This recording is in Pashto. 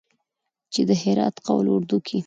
چې د هرات قول اردو کې